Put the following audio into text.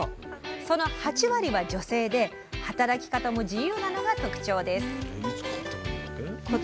その８割は女性で働き方も自由なのが特徴です